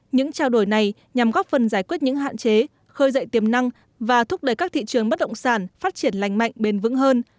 những trao đổi này nhằm góp phần giải quyết những hạn chế khơi dậy tiềm năng và thúc đẩy các thị trường bất động sản phát triển lành mạnh bền vững hơn